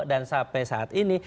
dan sampai saat ini